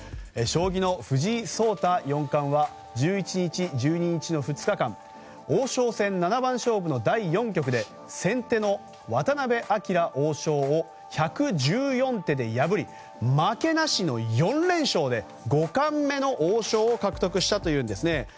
将棋の藤井聡太四冠は１１日、１２日の２日間王将戦七番勝負の第４局で先手の渡辺明王将を１１４手で破り負けなしの４連勝で五冠目の王将を獲得したというんです。